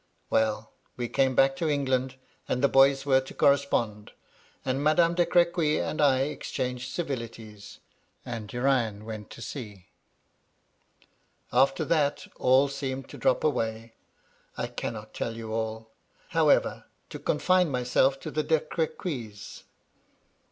" Well I we came back to England, and the boys were to correspond; and Madame de Crfequy and I exchanged civilities ; and Urian went to sea. "After that, all seemed to drop away. I cannot tell you alL However, to confine myself to the De Crequys.